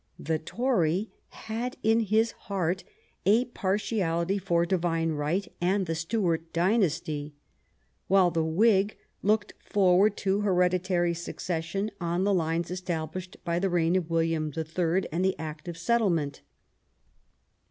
The Torv had in his heart a partiality for divine right and the Stuart dynasty, while the Whig looked forward to hereditary succession on the lines established by the reign of William the Third and the Act of Settlement.